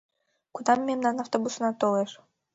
...Кунам мемнан автобусна толеш?